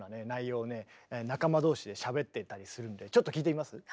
内容を仲間同士でしゃべっていたりするんでちょっと聞いてみます？